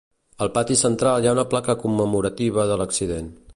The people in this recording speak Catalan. Al pati central hi ha una placa commemorativa de l'accident.